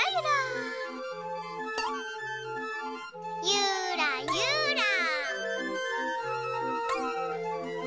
ゆらゆら。